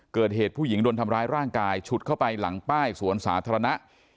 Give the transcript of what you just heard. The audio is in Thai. เกิดเหตุผู้หญิงโดนทำร้ายร่างกายฉุดเข้าไปหลังป้ายสวนสาธารณะ